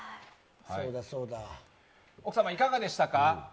奥様、いかがでしたか？